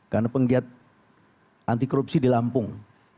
karena penggiat anti korupsi di lampung